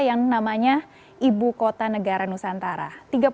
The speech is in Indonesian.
yang namanya ibu kota negara nusantara